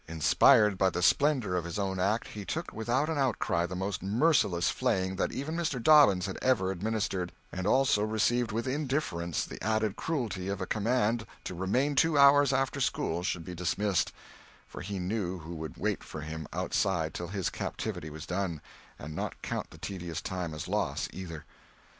Inspired by the splendor of his own act, he took without an outcry the most merciless flaying that even Mr. Dobbins had ever administered; and also received with indifference the added cruelty of a command to remain two hours after school should be dismissed—for he knew who would wait for him outside till his captivity was done, and not count the tedious time as loss, either.